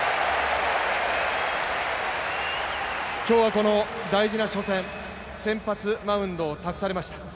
今日は大事な初戦、先発マウンドを託されました。